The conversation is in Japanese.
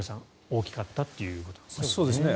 大きかったということですね。